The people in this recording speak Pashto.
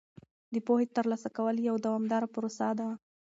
د پوهې ترلاسه کول یوه دوامداره پروسه ده.